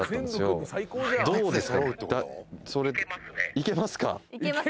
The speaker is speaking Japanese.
いけますか？